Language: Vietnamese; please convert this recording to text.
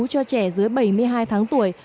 cho trẻ dưới bảy mươi hai tháng tuổi